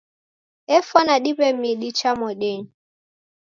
Efwana diw'e midi cha modenyi